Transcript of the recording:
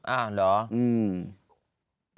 อ้าวเหรออืม